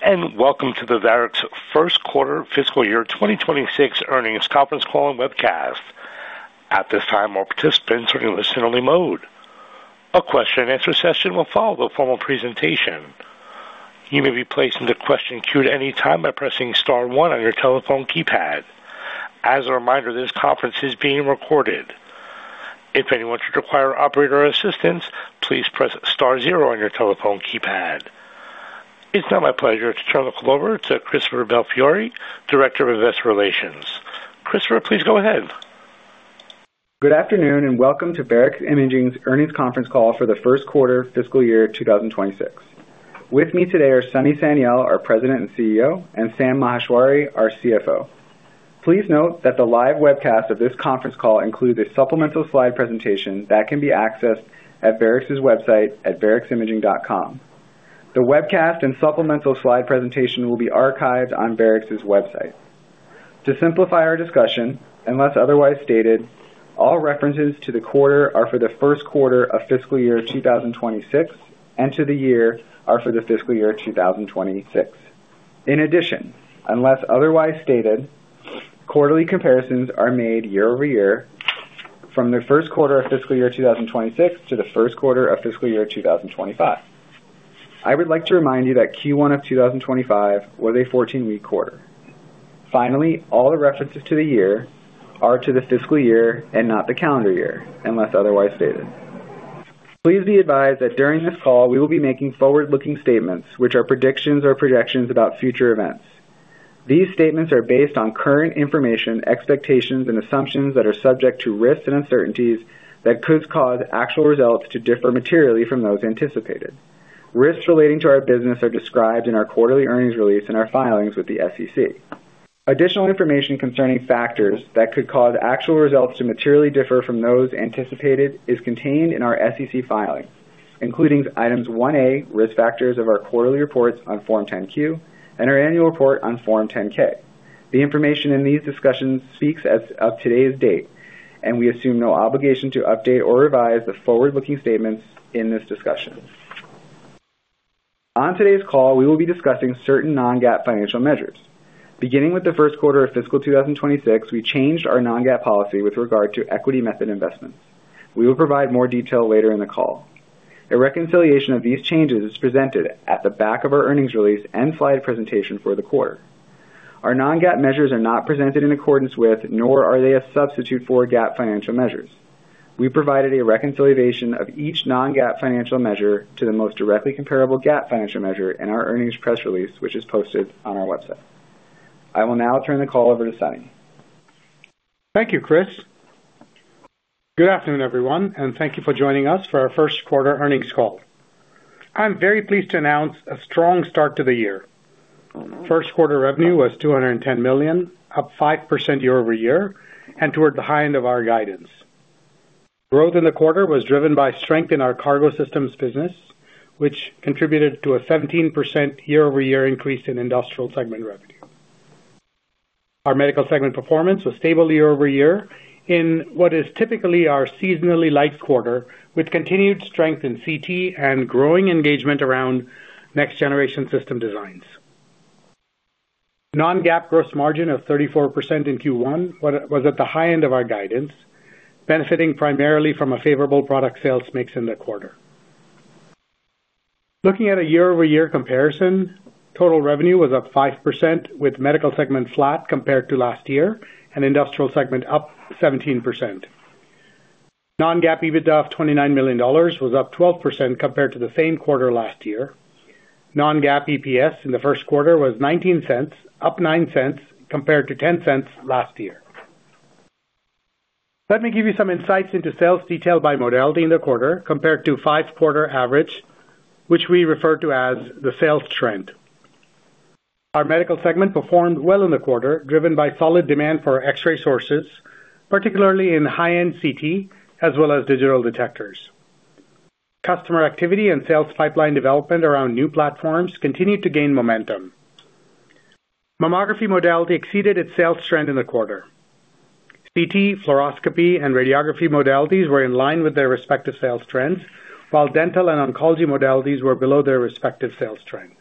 Greetings and Welcome to the Varex First Quarter Fiscal Year 2026 Earnings Conference Call and Webcast. At this time, all participants are in listen-only mode. A question-and-answer session will follow the formal presentation. You may be placed into question queue at any time by pressing star one on your telephone keypad. As a reminder, this conference is being recorded. If anyone should require operator assistance, please press star zero on your telephone keypad. It's now my pleasure to turn the call over to Christopher Belfiore, Director of Investor Relations. Christopher, please go ahead. Good afternoon and welcome to Varex Imaging's earnings conference call for the first quarter fiscal year 2026. With me today are Sunny Sanyal, our President and CEO, and Sam Maheshwari, our CFO. Please note that the live webcast of this conference call includes a supplemental slide presentation that can be accessed at Varex's website at vareximaging.com. The webcast and supplemental slide presentation will be archived on Varex's website. To simplify our discussion, unless otherwise stated, all references to the quarter are for the first quarter of fiscal year 2026 and to the year are for the fiscal year 2026. In addition, unless otherwise stated, quarterly comparisons are made year-over-year from the first quarter of fiscal year 2026 to the first quarter of fiscal year 2025. I would like to remind you that Q1 of 2025 was a 14-week quarter. Finally, all the references to the year are to the fiscal year and not the calendar year, unless otherwise stated. Please be advised that during this call, we will be making forward-looking statements, which are predictions or projections about future events. These statements are based on current information, expectations, and assumptions that are subject to risks and uncertainties that could cause actual results to differ materially from those anticipated. Risks relating to our business are described in our quarterly earnings release and our filings with the SEC. Additional information concerning factors that could cause actual results to materially differ from those anticipated is contained in our SEC filings, including Item 1A, Risk Factors of our quarterly reports on Form 10-Q, and our annual report on Form 10-K. The information in these discussions speaks as of today's date, and we assume no obligation to update or revise the forward-looking statements in this discussion. On today's call, we will be discussing certain non-GAAP financial measures. Beginning with the first quarter of fiscal 2026, we changed our non-GAAP policy with regard to equity method investments. We will provide more detail later in the call. A reconciliation of these changes is presented at the back of our earnings release and slide presentation for the quarter. Our non-GAAP measures are not presented in accordance with, nor are they a substitute for GAAP financial measures. We provided a reconciliation of each non-GAAP financial measure to the most directly comparable GAAP financial measure in our earnings press release, which is posted on our website. I will now turn the call over to Sunny. Thank you, Chris. Good afternoon, everyone, and thank you for joining us for our first quarter earnings call. I'm very pleased to announce a strong start to the year. First quarter revenue was $210 million, up 5% year-over-year and toward the high end of our guidance. Growth in the quarter was driven by strength in our cargo systems business, which contributed to a 17% year-over-year increase in industrial segment revenue. Our medical segment performance was stable year-over-year in what is typically our seasonally light quarter, with continued strength in CT and growing engagement around next-generation system designs. Non-GAAP gross margin of 34% in Q1 was at the high end of our guidance, benefiting primarily from a favorable product sales mix in the quarter. Looking at a year-over-year comparison, total revenue was up 5%, with medical segment flat compared to last year and industrial segment up 17%. Non-GAAP EBITDA of $29 million was up 12% compared to the same quarter last year. Non-GAAP EPS in the first quarter was $0.19, up $0.09 compared to $0.10 last year. Let me give you some insights into sales detail by modality in the quarter compared to five-quarter average, which we refer to as the sales trend. Our medical segment performed well in the quarter, driven by solid demand for X-ray sources, particularly in high-end CT as well as digital detectors. Customer activity and sales pipeline development around new platforms continued to gain momentum. Mammography modality exceeded its sales trend in the quarter. CT, fluoroscopy, and radiography modalities were in line with their respective sales trends, while dental and oncology modalities were below their respective sales trends.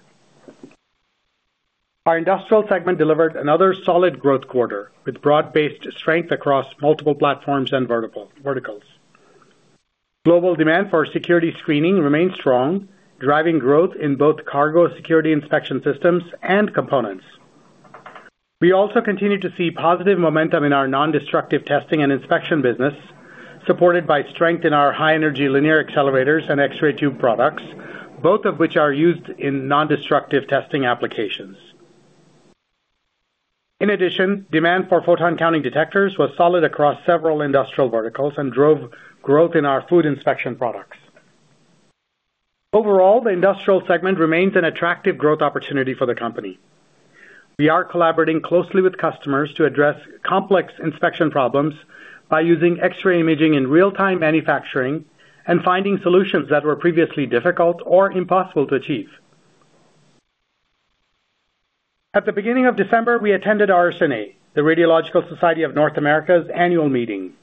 Our industrial segment delivered another solid growth quarter, with broad-based strength across multiple platforms and verticals. Global demand for security screening remained strong, driving growth in both cargo security inspection systems and components. We also continue to see positive momentum in our non-destructive testing and inspection business, supported by strength in our high-energy linear accelerators and X-ray tube products, both of which are used in non-destructive testing applications. In addition, demand for photon counting detectors was solid across several industrial verticals and drove growth in our food inspection products. Overall, the industrial segment remains an attractive growth opportunity for the company. We are collaborating closely with customers to address complex inspection problems by using X-ray imaging in real-time manufacturing and finding solutions that were previously difficult or impossible to achieve. At the beginning of December, we attended RSNA, the Radiological Society of North America's annual meeting.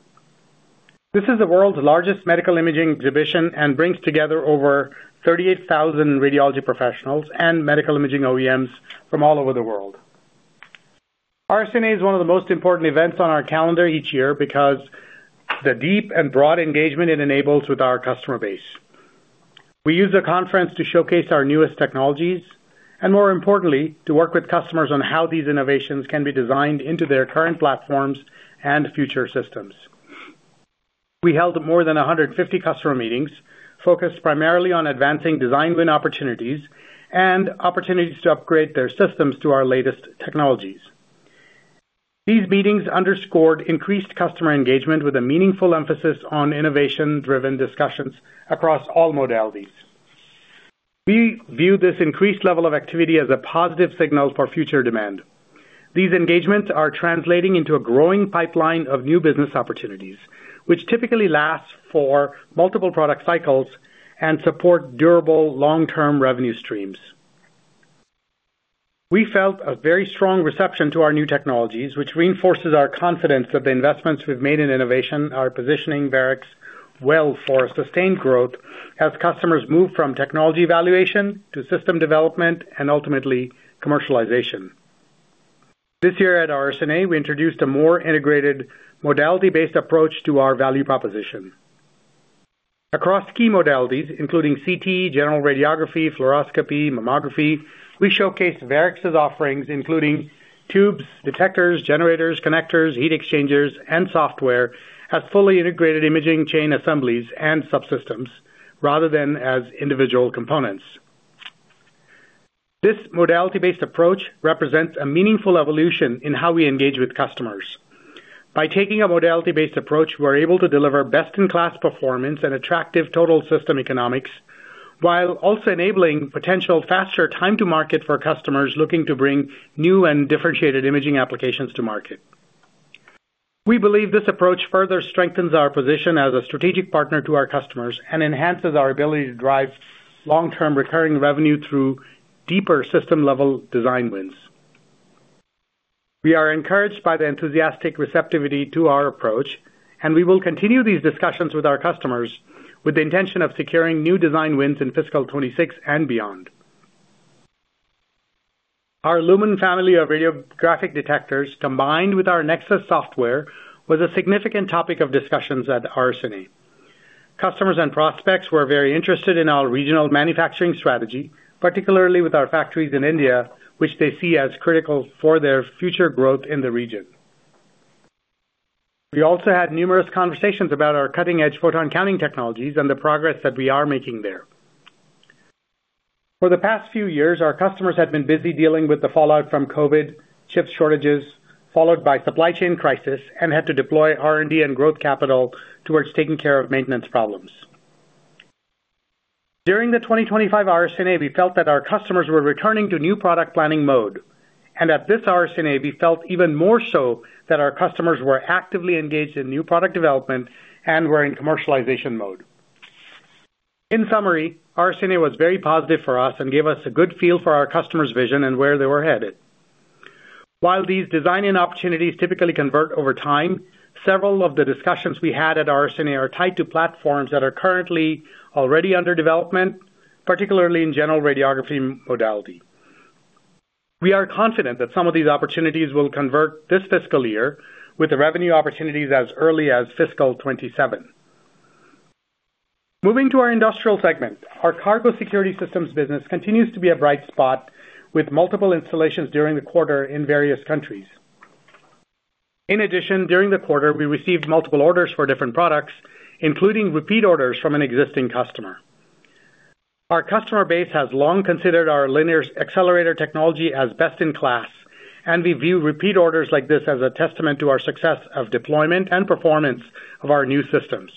This is the world's largest medical imaging exhibition and brings together over 38,000 radiology professionals and medical imaging OEMs from all over the world. RSNA is one of the most important events on our calendar each year because the deep and broad engagement it enables with our customer base. We use the conference to showcase our newest technologies and, more importantly, to work with customers on how these innovations can be designed into their current platforms and future systems. We held more than 150 customer meetings focused primarily on advancing design win opportunities and opportunities to upgrade their systems to our latest technologies. These meetings underscored increased customer engagement with a meaningful emphasis on innovation-driven discussions across all modalities. We view this increased level of activity as a positive signal for future demand. These engagements are translating into a growing pipeline of new business opportunities, which typically last for multiple product cycles and support durable, long-term revenue streams. We felt a very strong reception to our new technologies, which reinforces our confidence that the investments we've made in innovation are positioning Varex well for sustained growth as customers move from technology evaluation to system development and ultimately commercialization. This year at RSNA, we introduced a more integrated modality-based approach to our value proposition. Across key modalities, including CT, general radiography, fluoroscopy, mammography, we showcased Varex's offerings, including tubes, detectors, generators, connectors, heat exchangers, and software as fully integrated imaging chain assemblies and subsystems rather than as individual components. This modality-based approach represents a meaningful evolution in how we engage with customers. By taking a modality-based approach, we are able to deliver best-in-class performance and attractive total system economics while also enabling potential faster time-to-market for customers looking to bring new and differentiated imaging applications to market. We believe this approach further strengthens our position as a strategic partner to our customers and enhances our ability to drive long-term recurring revenue through deeper system-level design wins. We are encouraged by the enthusiastic receptivity to our approach, and we will continue these discussions with our customers with the intention of securing new design wins in fiscal 2026 and beyond. Our Lumen family of radiographic detectors, combined with our Nexus software, was a significant topic of discussions at RSNA. Customers and prospects were very interested in our regional manufacturing strategy, particularly with our factories in India, which they see as critical for their future growth in the region. We also had numerous conversations about our cutting-edge photon counting technologies and the progress that we are making there. For the past few years, our customers have been busy dealing with the fallout from COVID, chip shortages followed by supply chain crisis, and had to deploy R&D and growth capital towards taking care of maintenance problems. During the 2025 RSNA, we felt that our customers were returning to new product planning mode, and at this RSNA, we felt even more so that our customers were actively engaged in new product development and were in commercialization mode. In summary, RSNA was very positive for us and gave us a good feel for our customers' vision and where they were headed. While these design-in opportunities typically convert over time, several of the discussions we had at RSNA are tied to platforms that are currently already under development, particularly in general radiography modality. We are confident that some of these opportunities will convert this fiscal year with the revenue opportunities as early as fiscal 2027. Moving to our industrial segment, our cargo security systems business continues to be a bright spot with multiple installations during the quarter in various countries. In addition, during the quarter, we received multiple orders for different products, including repeat orders from an existing customer. Our customer base has long considered our linear accelerator technology as best-in-class, and we view repeat orders like this as a testament to our success of deployment and performance of our new systems.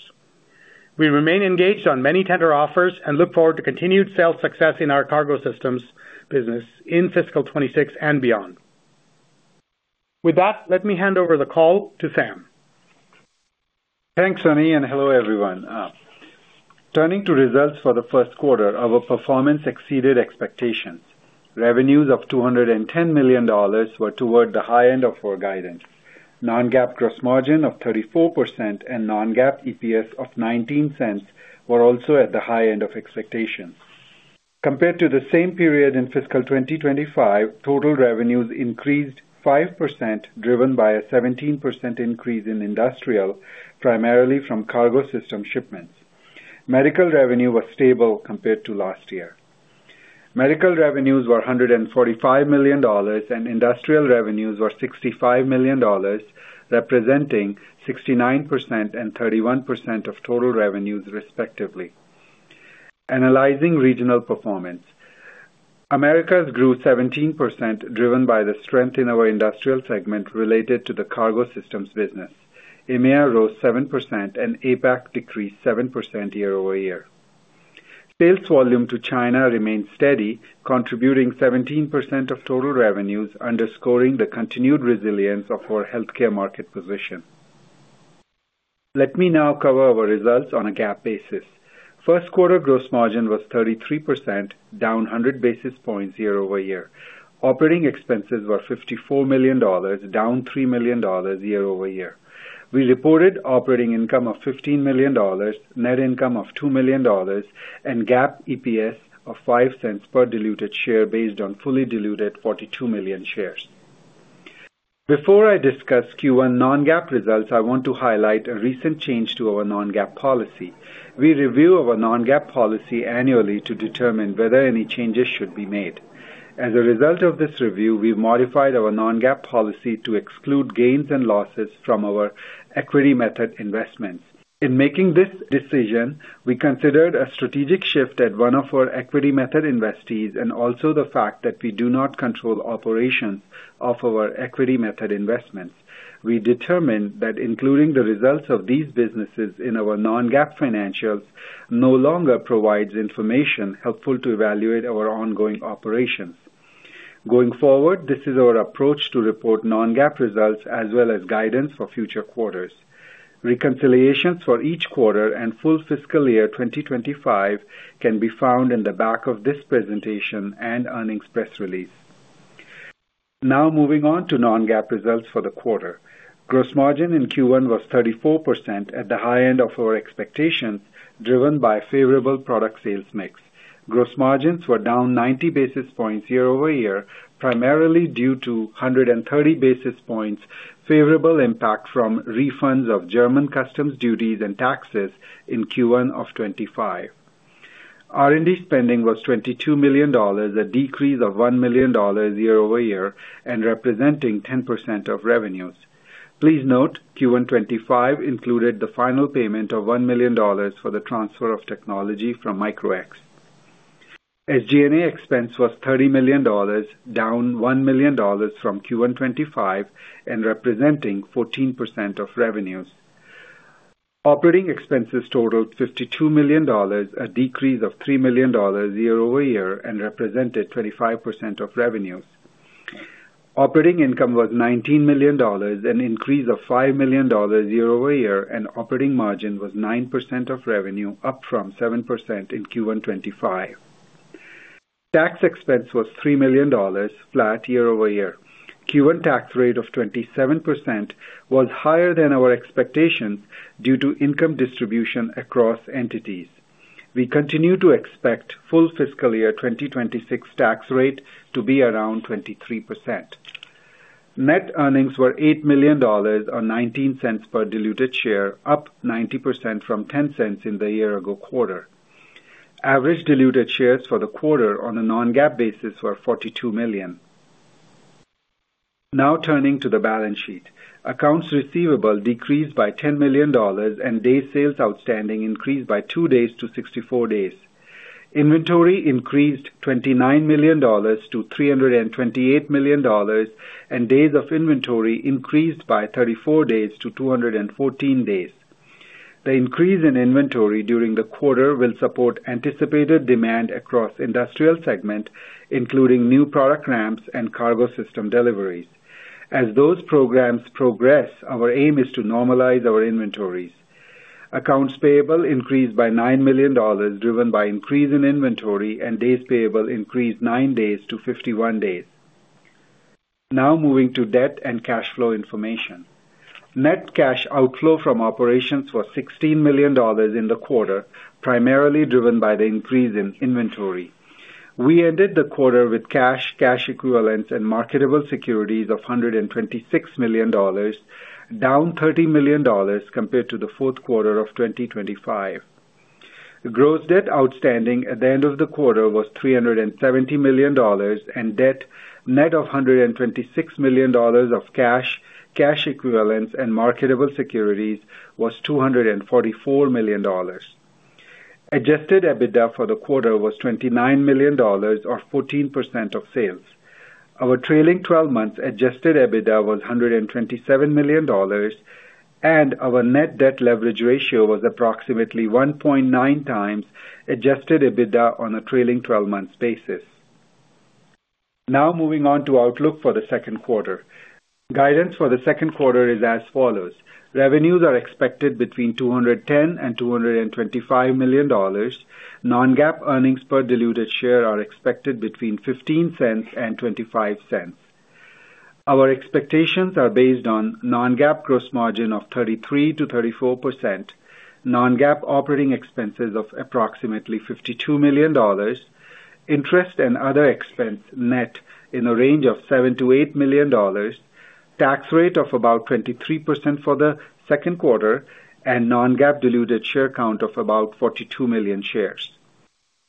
We remain engaged on many tender offers and look forward to continued sales success in our cargo systems business in fiscal 2026 and beyond. With that, let me hand over the call to Sam. Thanks, Sunny, and hello, everyone. Turning to results for the first quarter, our performance exceeded expectations. Revenues of $210 million were toward the high end of our guidance. Non-GAAP gross margin of 34% and non-GAAP EPS of $0.19 were also at the high end of expectations. Compared to the same period in fiscal 2025, total revenues increased 5% driven by a 17% increase in industrial, primarily from cargo system shipments. Medical revenue was stable compared to last year. Medical revenues were $145 million and industrial revenues were $65 million, representing 69% and 31% of total revenues respectively. Analyzing regional performance, Americas grew 17% driven by the strength in our industrial segment related to the cargo systems business. EMEA rose 7% and APAC decreased 7% year-over-year. Sales volume to China remained steady, contributing 17% of total revenues, underscoring the continued resilience of our healthcare market position. Let me now cover our results on a GAAP basis. First quarter gross margin was 33%, down 100 basis points year-over-year. Operating expenses were $54 million, down $3 million year-over-year. We reported operating income of $15 million, net income of $2 million, and GAAP EPS of $0.05 per diluted share based on fully diluted 42 million shares. Before I discuss Q1 non-GAAP results, I want to highlight a recent change to our non-GAAP policy. We review our non-GAAP policy annually to determine whether any changes should be made. As a result of this review, we've modified our non-GAAP policy to exclude gains and losses from our equity method investments. In making this decision, we considered a strategic shift at one of our equity method investees and also the fact that we do not control operations of our equity method investments. We determined that including the results of these businesses in our non-GAAP financials no longer provides information helpful to evaluate our ongoing operations. Going forward, this is our approach to report non-GAAP results as well as guidance for future quarters. Reconciliations for each quarter and full fiscal year 2025 can be found in the back of this presentation and earnings press release. Now moving on to non-GAAP results for the quarter. Gross margin in Q1 was 34% at the high end of our expectations, driven by favorable product sales mix. Gross margins were down 90 basis points year-over-year, primarily due to 130 basis points favorable impact from refunds of German customs duties and taxes in Q1 of 2025. R&D spending was $22 million, a decrease of $1 million year-over-year and representing 10% of revenues. Please note, Q1 2025 included the final payment of $1 million for the transfer of technology from Micro-X. SG&A expense was $30 million, down $1 million from Q1 2025 and representing 14% of revenues. Operating expenses totaled $52 million, a decrease of $3 million year-over-year and represented 25% of revenues. Operating income was $19 million, an increase of $5 million year-over-year, and operating margin was 9% of revenue, up from 7% in Q1 2025. Tax expense was $3 million flat year-over-year. Q1 tax rate of 27% was higher than our expectations due to income distribution across entities. We continue to expect full fiscal year 2026 tax rate to be around 23%. Net earnings were $8 million or $0.19 per diluted share, up 90% from $0.10 in the year-ago quarter. Average diluted shares for the quarter on a non-GAAP basis were 42 million. Now turning to the balance sheet. Accounts receivable decreased by $10 million and days' sales outstanding increased by two days to 64 days. Inventory increased $29 million-$328 million and days of inventory increased by 34 days to 214 days. The increase in inventory during the quarter will support anticipated demand across industrial segment, including new product ramps and cargo system deliveries. As those programs progress, our aim is to normalize our inventories. Accounts payable increased by $9 million driven by increase in inventory and days' payable increased nine days to 51 days. Now moving to debt and cash flow information. Net cash outflow from operations was $16 million in the quarter, primarily driven by the increase in inventory. We ended the quarter with cash, cash equivalents, and marketable securities of $126 million, down $30 million compared to the fourth quarter of 2025. Gross debt outstanding at the end of the quarter was $370 million and debt net of $126 million of cash, cash equivalents, and marketable securities was $244 million. Adjusted EBITDA for the quarter was $29 million or 14% of sales. Our trailing 12 months adjusted EBITDA was $127 million and our net debt leverage ratio was approximately 1.9x adjusted EBITDA on a trailing 12 months basis. Now moving on to outlook for the second quarter. Guidance for the second quarter is as follows. Revenues are expected between $210 million-$225 million. Non-GAAP earnings per diluted share are expected between $0.15-$0.25. Our expectations are based on non-GAAP gross margin of 33%-34%, non-GAAP operating expenses of approximately $52 million, interest and other expense net in the range of $7 million-$8 million, tax rate of about 23% for the second quarter, and non-GAAP diluted share count of about 42 million shares.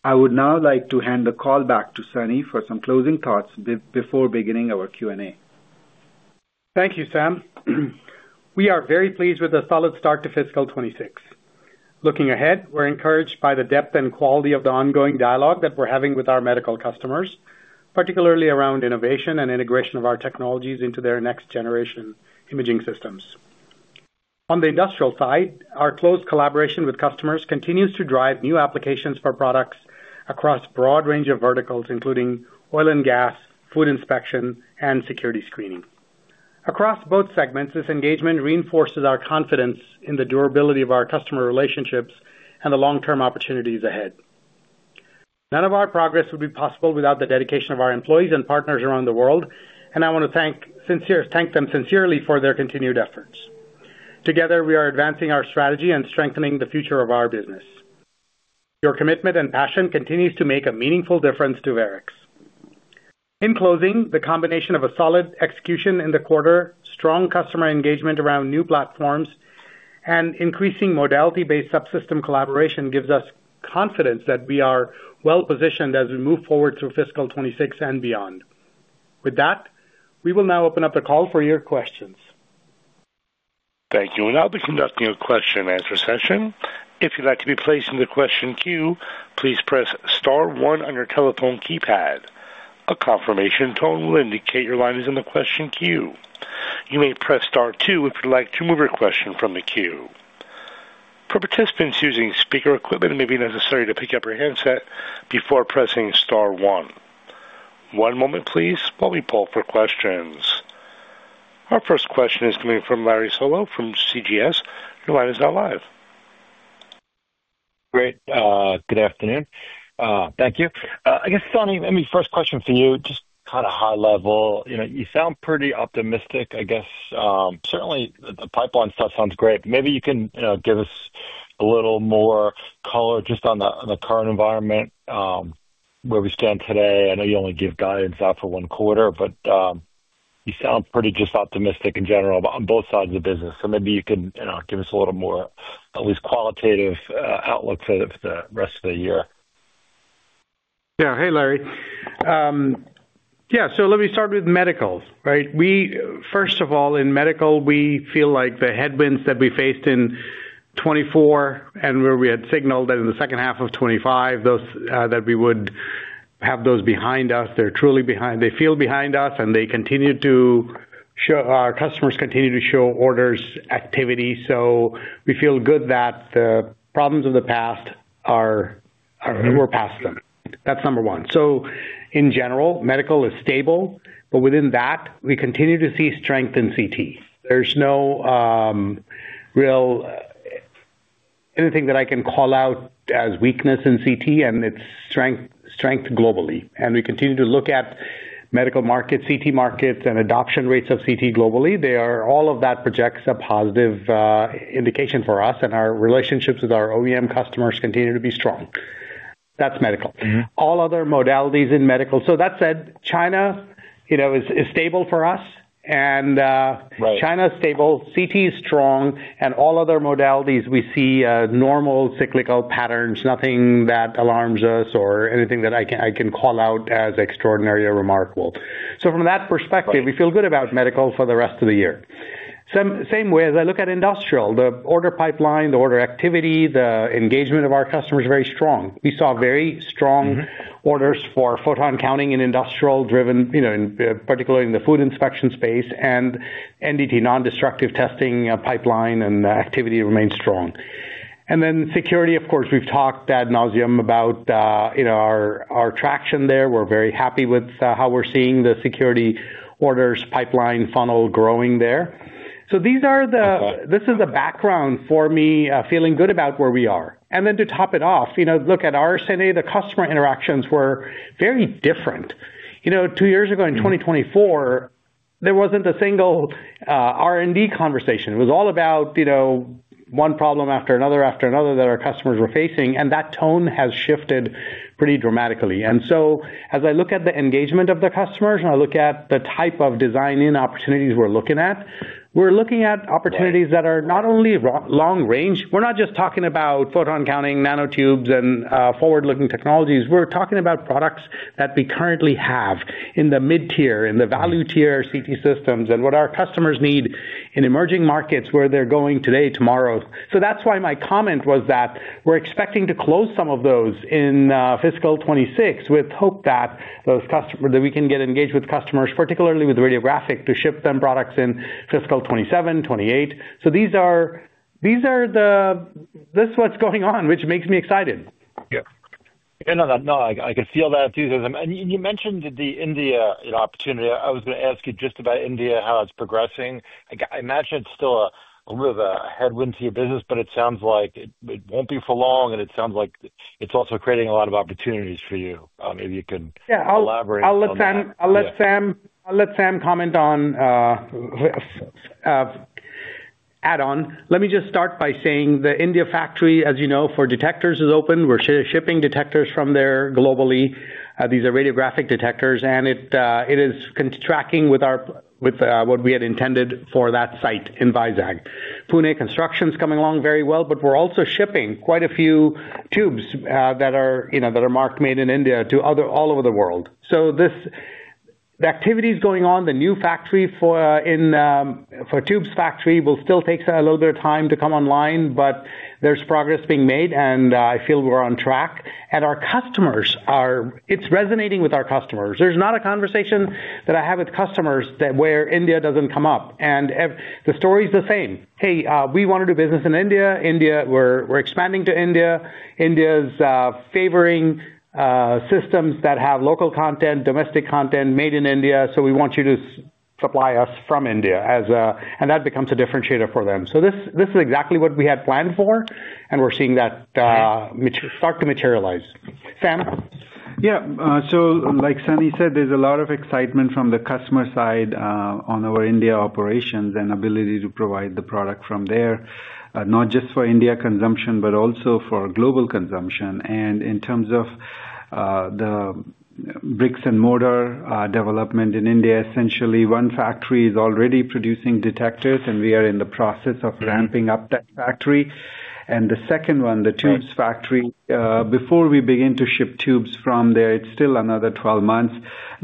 I would now like to hand the call back to Sunny for some closing thoughts before beginning our Q&A. Thank you, Sam. We are very pleased with a solid start to fiscal 2026. Looking ahead, we're encouraged by the depth and quality of the ongoing dialogue that we're having with our medical customers, particularly around innovation and integration of our technologies into their next-generation imaging systems. On the industrial side, our close collaboration with customers continues to drive new applications for products across a broad range of verticals, including oil and gas, food inspection, and security screening. Across both segments, this engagement reinforces our confidence in the durability of our customer relationships and the long-term opportunities ahead. None of our progress would be possible without the dedication of our employees and partners around the world, and I want to thank them sincerely for their continued efforts. Together, we are advancing our strategy and strengthening the future of our business. Your commitment and passion continue to make a meaningful difference to Varex. In closing, the combination of a solid execution in the quarter, strong customer engagement around new platforms, and increasing modality-based subsystem collaboration gives us confidence that we are well-positioned as we move forward through fiscal 2026 and beyond. With that, we will now open up the call for your questions. Thank you. We're now conducting a question-and-answer session. If you'd like to be placed in the question queue, please press star one on your telephone keypad. A confirmation tone will indicate your line is in the question queue. You may press star two if you'd like to move your question from the queue. For participants using speaker equipment, it may be necessary to pick up your handset before pressing star one. One moment, please, while we poll for questions. Our first question is coming from Larry Solow from CJS. Your line is now live. Great. Good afternoon. Thank you. I guess, Sunny, maybe first question for you, just kind of high level. You sound pretty optimistic, I guess. Certainly, the pipeline stuff sounds great. Maybe you can give us a little more color just on the current environment where we stand today. I know you only give guidance out for one quarter, but you sound pretty just optimistic in general on both sides of the business. So maybe you can give us a little more, at least qualitative, outlook for the rest of the year. Yeah. Hey, Larry. Yeah. So let me start with medical, right? First of all, in medical, we feel like the headwinds that we faced in 2024 and where we had signaled that in the second half of 2025 that we would have those behind us, they're truly behind they feel behind us, and they continue to show our customers continue to show orders activity. So we feel good that the problems of the past are we're past them. That's number one. So in general, medical is stable, but within that, we continue to see strength in CT. There's no real anything that I can call out as weakness in CT, and it's strength globally. And we continue to look at medical markets, CT markets, and adoption rates of CT globally. All of that projects a positive indication for us, and our relationships with our OEM customers continue to be strong. That's medical. All other modalities in medical, so that said, China is stable for us, and China is stable. CT is strong, and all other modalities, we see normal cyclical patterns. Nothing that alarms us or anything that I can call out as extraordinary or remarkable. So from that perspective, we feel good about medical for the rest of the year. Same way, as I look at industrial, the order pipeline, the order activity, the engagement of our customers is very strong. We saw very strong orders for photon counting in industrial-driven, particularly in the food inspection space, and NDT, Non-Destructive Testing pipeline and activity remains strong. And then security, of course, we've talked ad nauseam about our traction there. We're very happy with how we're seeing the security orders pipeline funnel growing there. So this is the background for me feeling good about where we are. And then to top it off, look at RSNA, the customer interactions were very different. Two years ago, in 2024, there wasn't a single R&D conversation. It was all about one problem after another after another that our customers were facing, and that tone has shifted pretty dramatically. And so as I look at the engagement of the customers and I look at the type of design-in opportunities we're looking at, we're looking at opportunities that are not only long-range we're not just talking about photon counting, nanotubes, and forward-looking technologies. We're talking about products that we currently have in the mid-tier, in the value-tier CT systems, and what our customers need in emerging markets where they're going today, tomorrow. So that's why my comment was that we're expecting to close some of those in fiscal 2026 with hope that we can get engaged with customers, particularly with radiographic, to ship them products in fiscal 2027, 2028. So this is what's going on, which makes me excited. Yeah. No, no. I can feel that too. And you mentioned the India opportunity. I was going to ask you just about India, how it's progressing. I imagine it's still a little bit of a headwind to your business, but it sounds like it won't be for long, and it sounds like it's also creating a lot of opportunities for you. Maybe you can elaborate on that. Yeah. I'll let Sam comment on add-on. Let me just start by saying the India factory, as you know, for detectors is open. We're shipping detectors from there globally. These are radiographic detectors, and it is contracting with what we had intended for that site in Vizag. Pune construction is coming along very well, but we're also shipping quite a few tubes that are marked made in India to all over the world. So the activity is going on. The new factory for tubes factory will still take a little bit of time to come online, but there's progress being made, and I feel we're on track. And it's resonating with our customers. There's not a conversation that I have with customers where India doesn't come up. And the story is the same. "Hey, we want to do business in India. We're expanding to India. India's favoring systems that have local content, domestic content, made in India, so we want you to supply us from India." That becomes a differentiator for them. This is exactly what we had planned for, and we're seeing that start to materialize. Sam? Yeah. So like Sunny said, there's a lot of excitement from the customer side on our India operations and ability to provide the product from there, not just for India consumption but also for global consumption. And in terms of the bricks-and-mortar development in India, essentially, one factory is already producing detectors, and we are in the process of ramping up that factory. And the second one, the tubes factory, before we begin to ship tubes from there, it's still another 12 months.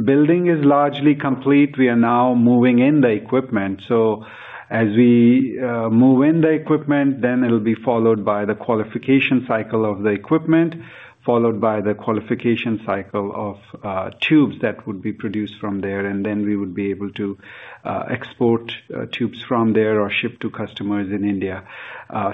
Building is largely complete. We are now moving in the equipment. So as we move in the equipment, then it'll be followed by the qualification cycle of the equipment, followed by the qualification cycle of tubes that would be produced from there, and then we would be able to export tubes from there or ship to customers in India.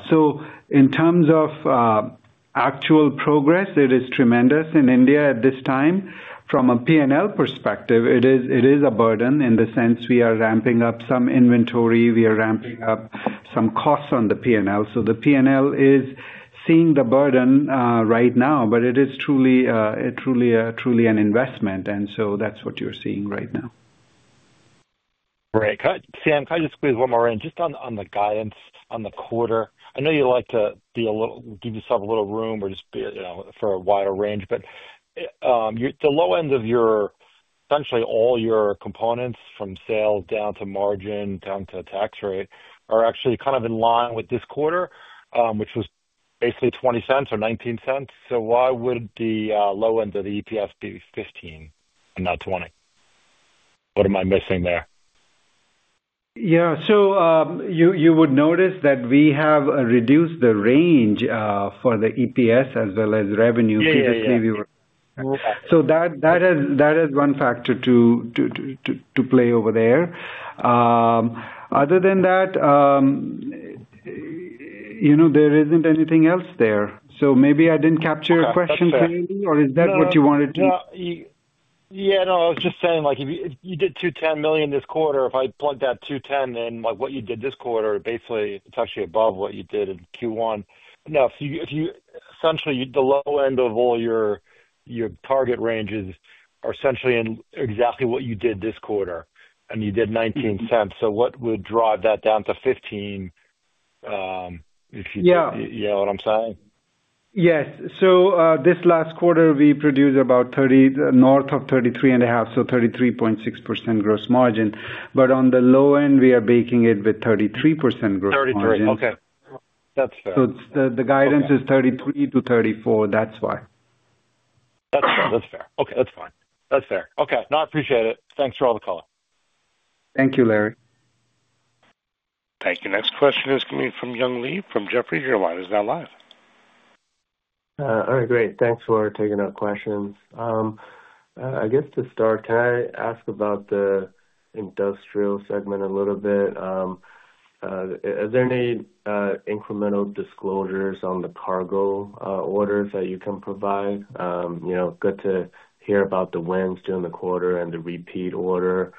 So in terms of actual progress, it is tremendous in India at this time. From a P&L perspective, it is a burden in the sense we are ramping up some inventory. We are ramping up some costs on the P&L. So the P&L is seeing the burden right now, but it is truly an investment, and so that's what you're seeing right now. Great. Sam, can I just squeeze one more in just on the guidance on the quarter? I know you like to give yourself a little room or just for a wider range, but the low end of essentially all your components from sales down to margin, down to tax rate, are actually kind of in line with this quarter, which was basically $0.20 or $0.19. So why would the low end of the EPS be $0.15 and not $0.20? What am I missing there? Yeah. So you would notice that we have reduced the range for the EPS as well as revenue. Previously, we were. So that is one factor to play over there. Other than that, there isn't anything else there. So maybe I didn't capture your question clearly, or is that what you wanted to? Yeah. No, I was just saying if you did $210 million this quarter, if I plugged that $210 million in what you did this quarter, basically, it's actually above what you did in Q1. No, essentially, the low end of all your target ranges are essentially in exactly what you did this quarter, and you did $0.19. So what would drive that down to $0.15 if you do, you know what I'm saying? Yes. So this last quarter, we produced about north of 33.5, so 33.6% gross margin. But on the low end, we are baking it with 33% gross margin. Okay. That's fair. So the guidance is 33-34. That's why. That's fair. Okay. That's fine. That's fair. Okay. No, I appreciate it. Thanks for all the calling. Thank you, Larry. Thank you. Next question is coming from Young Li, from Jefferies. Your line is now live. All right. Great. Thanks for taking our questions. I guess to start, can I ask about the industrial segment a little bit? Is there any incremental disclosures on the cargo orders that you can provide? Good to hear about the wins during the quarter and the repeat order.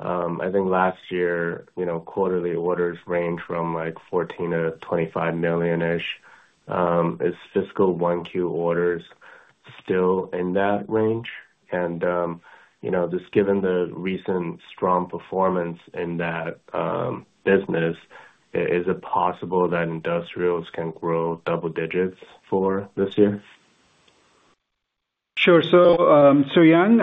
I think last year, quarterly orders ranged from $14 million-$25 million-ish. Is fiscal Q1 orders still in that range? And just given the recent strong performance in that business, is it possible that industrials can grow double digits for this year? Sure. So Suyang,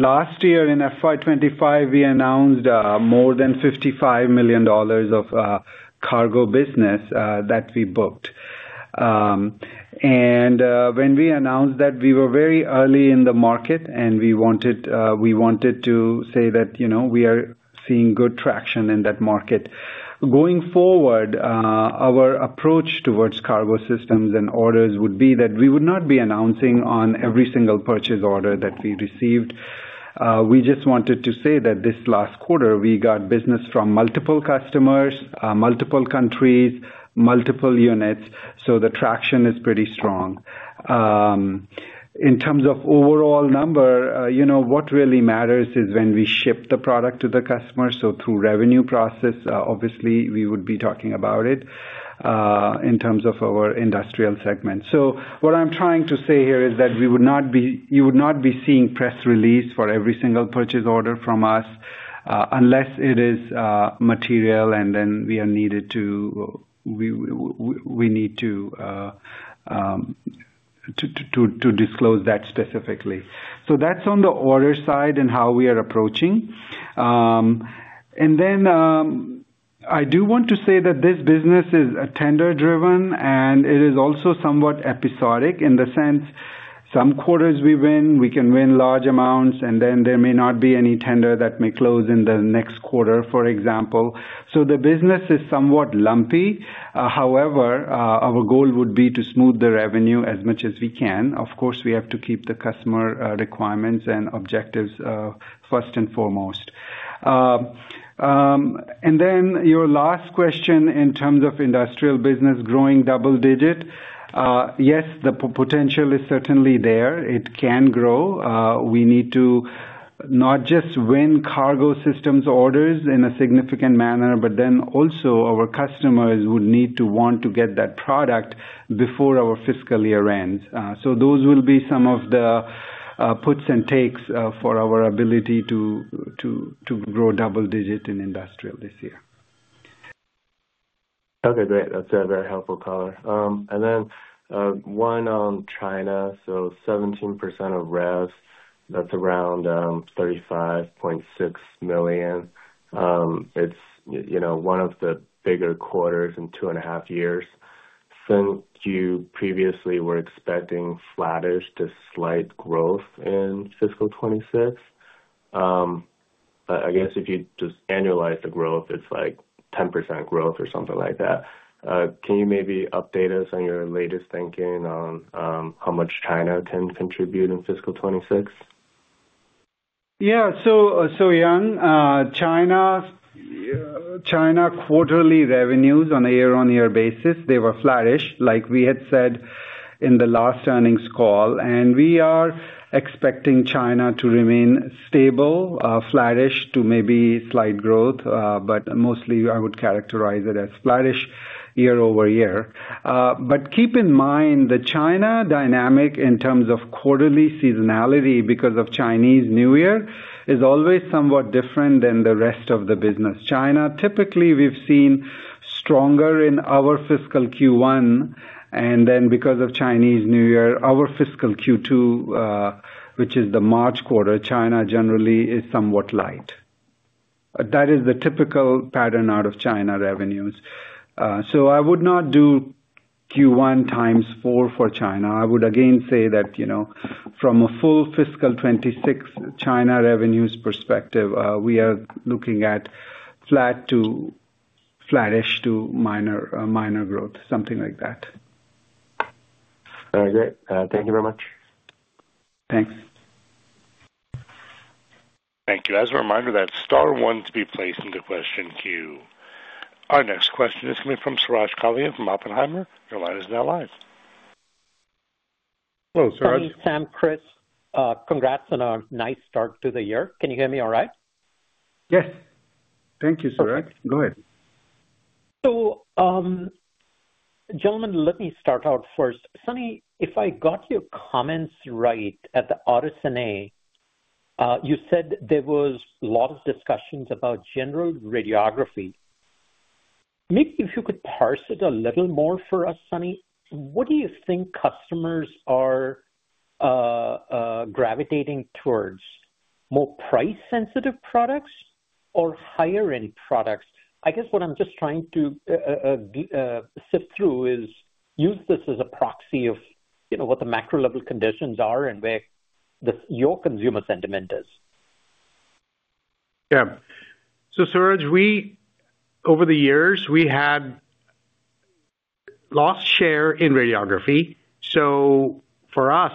last year in FY 2025, we announced more than $55 million of cargo business that we booked. When we announced that, we were very early in the market, and we wanted to say that we are seeing good traction in that market. Going forward, our approach towards cargo systems and orders would be that we would not be announcing on every single purchase order that we received. We just wanted to say that this last quarter, we got business from multiple customers, multiple countries, multiple units, so the traction is pretty strong. In terms of overall number, what really matters is when we ship the product to the customer. Through revenue process, obviously, we would be talking about it in terms of our industrial segment. So what I'm trying to say here is that you would not be seeing press releases for every single purchase order from us unless it is material, and then we need to disclose that specifically. So that's on the order side and how we are approaching. And then I do want to say that this business is tender-driven, and it is also somewhat episodic in the sense some quarters we win, we can win large amounts, and then there may not be any tender that may close in the next quarter, for example. So the business is somewhat lumpy. However, our goal would be to smooth the revenue as much as we can. Of course, we have to keep the customer requirements and objectives first and foremost. And then your last question in terms of industrial business growing double-digit, yes, the potential is certainly there. It can grow. We need to not just win cargo systems orders in a significant manner, but then also our customers would need to want to get that product before our fiscal year ends. So those will be some of the puts and takes for our ability to grow double-digit in industrial this year. Okay. Great. That's a very helpful caller. And then one on China, so 17% of revenue, that's around $35.6 million. It's one of the bigger quarters in two and a half years. Since you previously were expecting flattish to slight growth in fiscal 2026, I guess if you just annualize the growth, it's like 10% growth or something like that. Can you maybe update us on your latest thinking on how much China can contribute in fiscal 2026? Yeah. So Suyang, China quarterly revenues on a year-on-year basis, they were flattish like we had said in the last earnings call. And we are expecting China to remain stable, flattish to maybe slight growth, but mostly, I would characterize it as flattish year over year. But keep in mind the China dynamic in terms of quarterly seasonality because of Chinese New Year is always somewhat different than the rest of the business. China, typically, we've seen stronger in our fiscal Q1, and then because of Chinese New Year, our fiscal Q2, which is the March quarter, China generally is somewhat light. That is the typical pattern out of China revenues. So I would not do Q1 times four for China. I would again say that from a full fiscal 2026 China revenues perspective, we are looking at flattish to minor growth, something like that. All right. Great. Thank you very much. Thanks. Thank you. As a reminder, that star one to be placed into question queue. Our next question is coming from Suraj Kalia from Oppenheimer. Your line is now live. Hello, Suraj. Thanks, Sam, Chris. Congrats on a nice start to the year. Can you hear me all right? Yes. Thank you, Suraj. Go ahead. So gentlemen, let me start out first. Sunny, if I got your comments right at the RSNA, you said there was a lot of discussions about general radiography. Maybe if you could parse it a little more for us, Sunny, what do you think customers are gravitating towards, more price-sensitive products or higher-end products? I guess what I'm just trying to sift through is use this as a proxy of what the macro-level conditions are and where your consumer sentiment is. Yeah. So Suraj, over the years, we had lost share in radiography. So for us,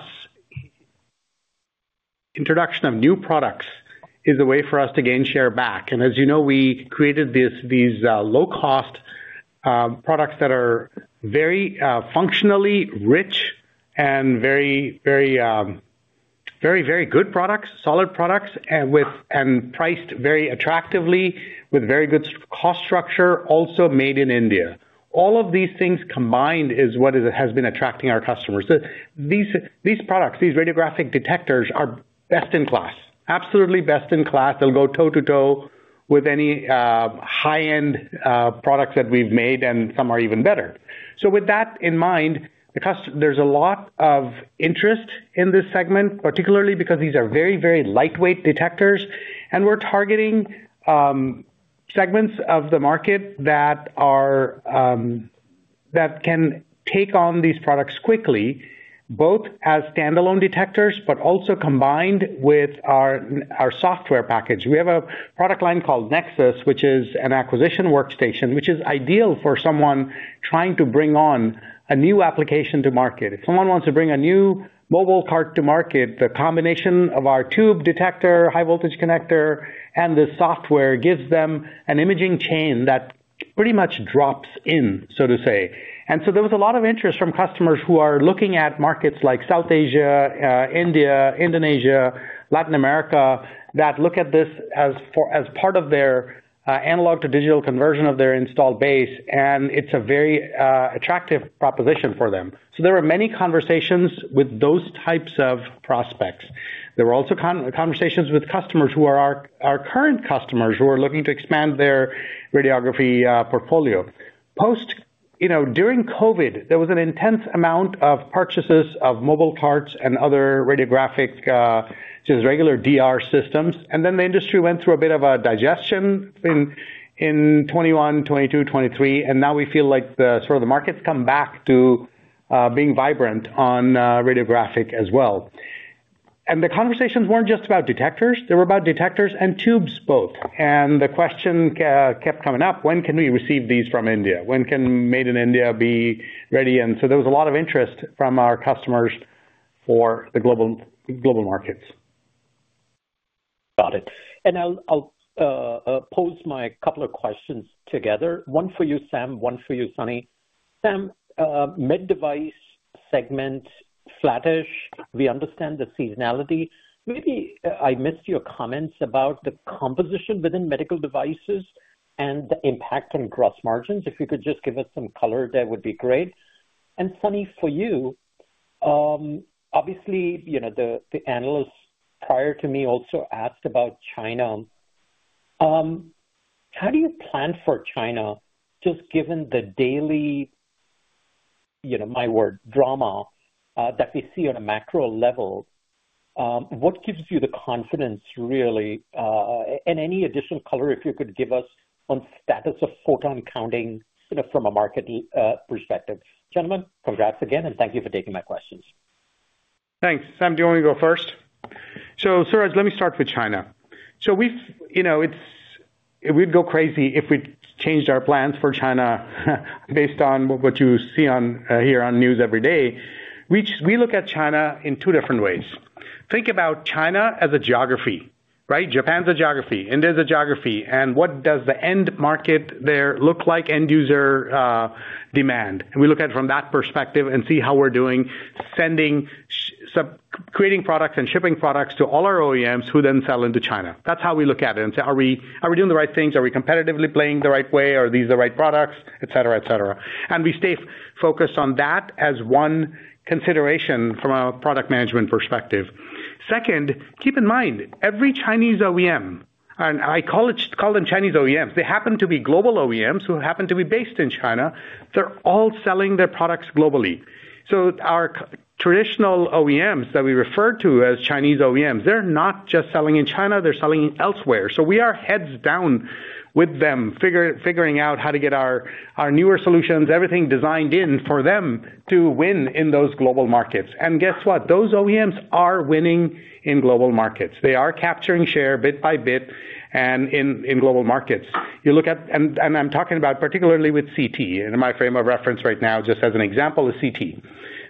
introduction of new products is a way for us to gain share back. And as you know, we created these low-cost products that are very functionally rich and very, very, very, very good products, solid products, and priced very attractively with very good cost structure, also made in India. All of these things combined is what has been attracting our customers. So these products, these radiographic detectors, are best in class, absolutely best in class. They'll go toe-to-toe with any high-end products that we've made, and some are even better. So with that in mind, there's a lot of interest in this segment, particularly because these are very, very lightweight detectors, and we're targeting segments of the market that can take on these products quickly, both as standalone detectors but also combined with our software package. We have a product line called Nexus, which is an acquisition workstation, which is ideal for someone trying to bring on a new application to market. If someone wants to bring a new mobile cart to market, the combination of our tube detector, high-voltage connector, and the software gives them an imaging chain that pretty much drops in, so to say. And so there was a lot of interest from customers who are looking at markets like South Asia, India, Indonesia, Latin America that look at this as part of their analog-to-digital conversion of their installed base, and it's a very attractive proposition for them. So there were many conversations with those types of prospects. There were also conversations with customers who are our current customers who are looking to expand their radiography portfolio. During COVID, there was an intense amount of purchases of mobile carts and other radiographic, just regular DR systems. And then the industry went through a bit of a digestion in 2021, 2022, 2023, and now we feel like sort of the market's come back to being vibrant on radiographic as well. And the conversations weren't just about detectors. They were about detectors and tubes, both. The question kept coming up, "When can we receive these from India? When can Made in India be ready?" So there was a lot of interest from our customers for the global markets. Got it. I'll pose my couple of questions together, one for you, Sam, one for you, Sunny. Sam, medical device segment, flattish. We understand the seasonality. Maybe I missed your comments about the composition within medical devices and the impact on gross margins. If you could just give us some color, that would be great. Sunny, for you, obviously, the analyst prior to me also asked about China. How do you plan for China just given the daily, my word, drama that we see on a macro level? What gives you the confidence, really? And any additional color if you could give us on status of photon counting from a market perspective. Gentlemen, congrats again, and thank you for taking my questions. Thanks. Sam, do you want to go first? So Suraj, let me start with China. We'd go crazy if we changed our plans for China based on what you see here on news every day. We look at China in two different ways. Think about China as a geography, right? Japan's a geography. India's a geography. What does the end market there look like, end-user demand? We look at it from that perspective and see how we're doing creating products and shipping products to all our OEMs who then sell into China. That's how we look at it and say, "Are we doing the right things? Are we competitively playing the right way? Are these the right products?" etc., etc. We stay focused on that as one consideration from a product management perspective. Second, keep in mind, every Chinese OEM - and I call them Chinese OEMs - they happen to be global OEMs who happen to be based in China. They're all selling their products globally. So our traditional OEMs that we refer to as Chinese OEMs, they're not just selling in China. They're selling elsewhere. So we are heads down with them figuring out how to get our newer solutions, everything designed in for them to win in those global markets. And guess what? Those OEMs are winning in global markets. They are capturing share bit by bit in global markets. And I'm talking about particularly with CT. And in my frame of reference right now, just as an example, is CT.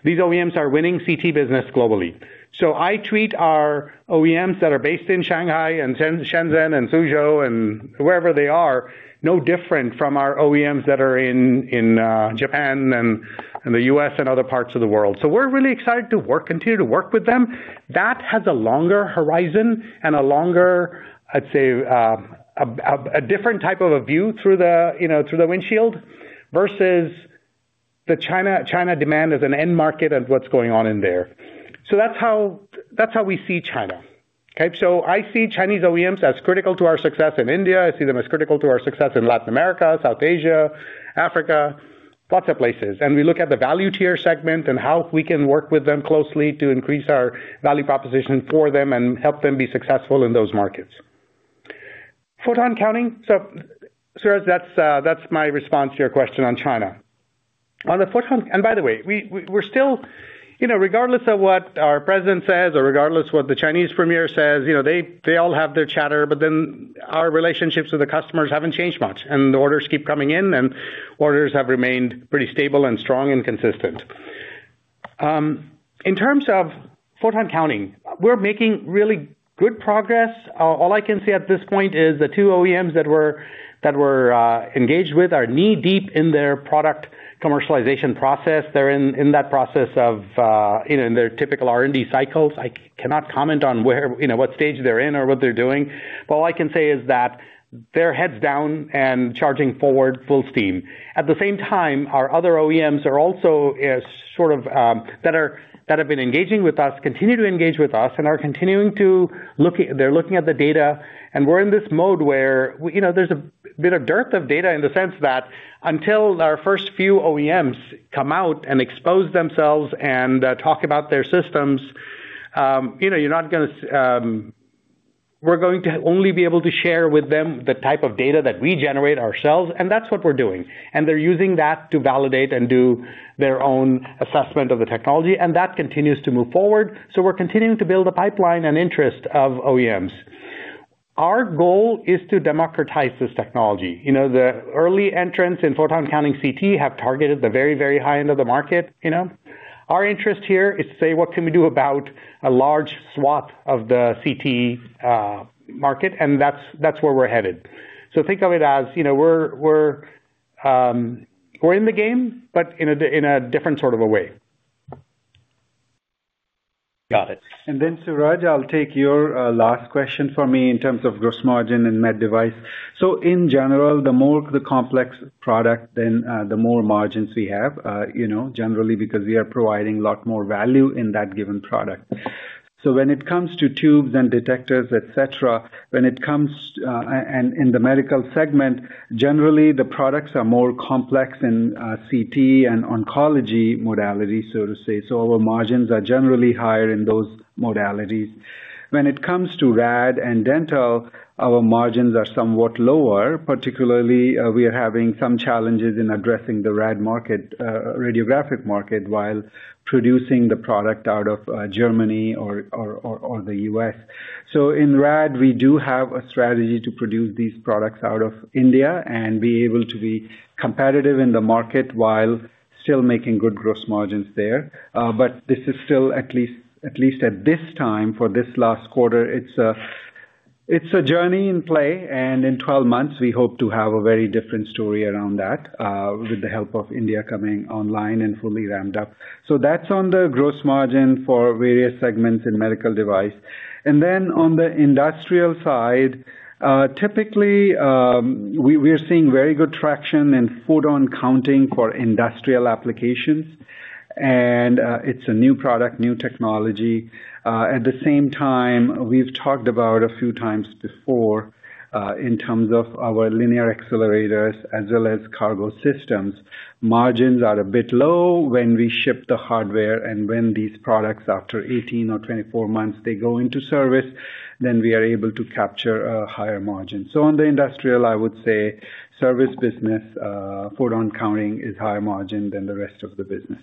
These OEMs are winning CT business globally. So I treat our OEMs that are based in Shanghai and Shenzhen and Suzhou and wherever they are no different from our OEMs that are in Japan and the U.S. and other parts of the world. So we're really excited to continue to work with them. That has a longer horizon and a longer, I'd say, a different type of a view through the windshield versus the China demand as an end market and what's going on in there. So that's how we see China, okay? So I see Chinese OEMs as critical to our success in India. I see them as critical to our success in Latin America, South Asia, Africa, lots of places. And we look at the value tier segment and how we can work with them closely to increase our value proposition for them and help them be successful in those markets. Photon counting? So Suraj, that's my response to your question on China. And by the way, we're still regardless of what our president says or regardless of what the Chinese premier says, they all have their chatter, but then our relationships with the customers haven't changed much, and the orders keep coming in, and orders have remained pretty stable and strong and consistent. In terms of photon counting, we're making really good progress. All I can see at this point is the two OEMs that were engaged with are knee-deep in their product commercialization process. They're in that process of in their typical R&D cycles. I cannot comment on what stage they're in or what they're doing. But all I can say is that they're heads down and charging forward full steam. At the same time, our other OEMs are also sort of that have been engaging with us, continue to engage with us, and are continuing to look. They're looking at the data. We're in this mode where there's a bit of dearth of data in the sense that until our first few OEMs come out and expose themselves and talk about their systems, we're going to only be able to share with them the type of data that we generate ourselves, and that's what we're doing. They're using that to validate and do their own assessment of the technology, and that continues to move forward. We're continuing to build a pipeline and interest of OEMs. Our goal is to democratize this technology. The early entrants in Photon Counting CT have targeted the very, very high end of the market. Our interest here is to say, "What can we do about a large swath of the CT market?" That's where we're headed. So think of it as we're in the game, but in a different sort of a way. Got it. And then, Suraj, I'll take your last question for me in terms of gross margin and med device. So in general, the more complex product, then the more margins we have, generally, because we are providing a lot more value in that given product. So when it comes to tubes and detectors, etc., when it comes and in the medical segment, generally, the products are more complex in CT and oncology modalities, so to say. So our margins are generally higher in those modalities. When it comes to RAD and dental, our margins are somewhat lower, particularly we are having some challenges in addressing the RAD market, radiographic market, while producing the product out of Germany or the U.S. So in RAD, we do have a strategy to produce these products out of India and be able to be competitive in the market while still making good gross margins there. But this is still at least at this time, for this last quarter, it's a journey in play, and in 12 months, we hope to have a very different story around that with the help of India coming online and fully ramped up. So that's on the gross margin for various segments in medical device. And then on the industrial side, typically, we are seeing very good traction in photon counting for industrial applications. And it's a new product, new technology. At the same time, we've talked about a few times before in terms of our linear accelerators as well as cargo systems. Margins are a bit low when we ship the hardware, and when these products, after 18 or 24 months, they go into service, then we are able to capture a higher margin. So on the industrial, I would say service business, photon counting is higher margin than the rest of the business.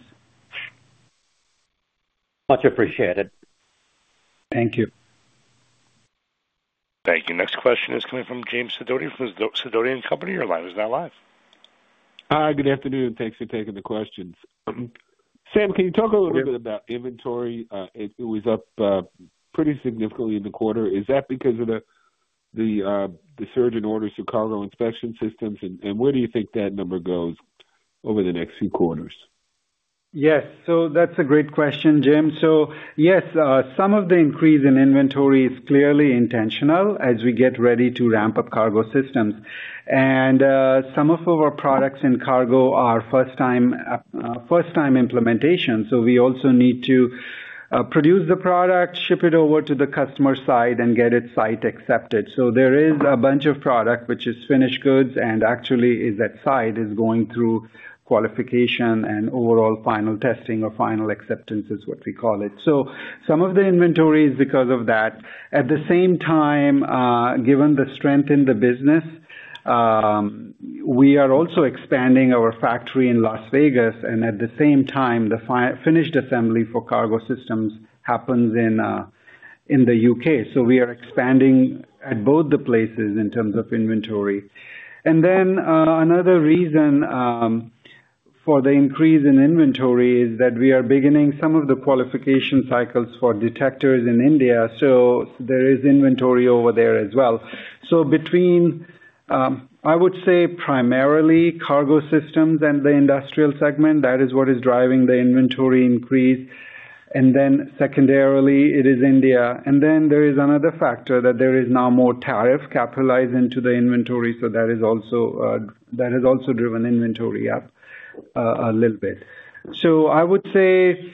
Much appreciated. Thank you. Thank you. Next question is coming from James Sidoti from Sidoti & Company. Your line is now live. Hi. Good afternoon. Thanks for taking the questions. Sam, can you talk a little bit about inventory? It was up pretty significantly in the quarter. Is that because of the surge in orders for cargo inspection systems? Where do you think that number goes over the next few quarters? Yes. So that's a great question, James. So yes, some of the increase in inventory is clearly intentional as we get ready to ramp up cargo systems. And some of our products in cargo are first-time implementation, so we also need to produce the product, ship it over to the customer side, and get it site accepted. So there is a bunch of product, which is finished goods and actually is at site, is going through qualification and overall final testing or final acceptance is what we call it. So some of the inventory is because of that. At the same time, given the strength in the business, we are also expanding our factory in Las Vegas, and at the same time, the finished assembly for cargo systems happens in the UK. So we are expanding at both the places in terms of inventory. Another reason for the increase in inventory is that we are beginning some of the qualification cycles for detectors in India, so there is inventory over there as well. So I would say primarily cargo systems and the industrial segment, that is what is driving the inventory increase. And then secondarily, it is India. And then there is another factor that there is now more tariff capitalized into the inventory, so that has also driven inventory up a little bit. So I would say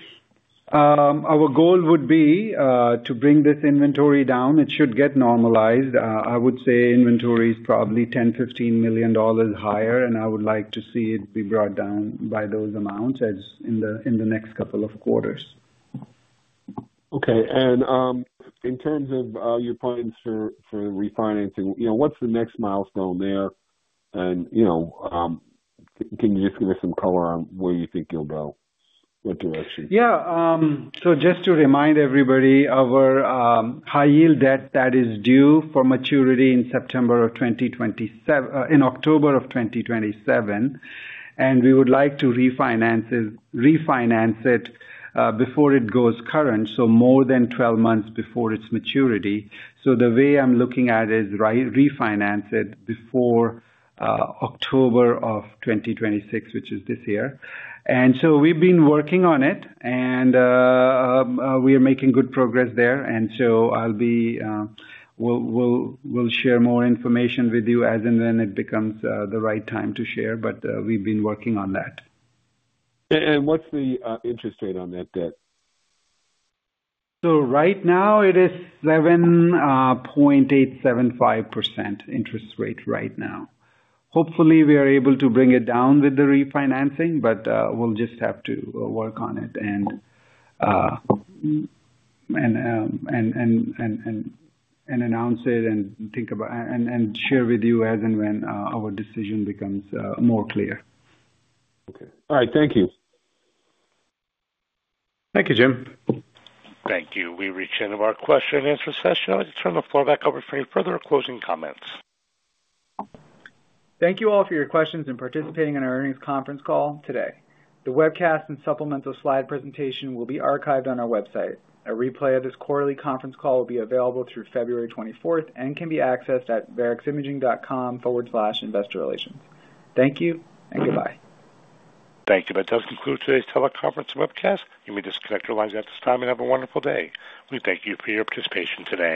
our goal would be to bring this inventory down. It should get normalized. I would say inventory is probably $10 million-$15 million higher, and I would like to see it be brought down by those amounts in the next couple of quarters. Okay. And in terms of your plans for refinancing, what's the next milestone there? And can you just give us some color on where you think you'll go, what direction? Yeah. So just to remind everybody, our high-yield debt that is due for maturity in October of 2027, and we would like to refinance it before it goes current, so more than 12 months before its maturity. So the way I'm looking at it is refinance it before October of 2026, which is this year. And so we've been working on it, and we are making good progress there. And so we'll share more information with you as and when it becomes the right time to share, but we've been working on that. What's the interest rate on that debt? Right now, it is 11.875% interest rate right now. Hopefully, we are able to bring it down with the refinancing, but we'll just have to work on it and announce it and share with you as and when our decision becomes more clear. Okay. All right. Thank you. Thank you, James. Thank you. We reached the end of our question-and-answer session. I'll turn the floor back over for any further or closing comments. Thank you all for your questions and participating in our earnings conference call today. The webcast and supplemental slide presentation will be archived on our website. A replay of this quarterly conference call will be available through February 24th 2026 and can be accessed at vareximaging.com/investorrelations. Thank you, and goodbye. Thank you. That does conclude today's teleconference webcast. You may disconnect your lines at this time. You have a wonderful day. We thank you for your participation today.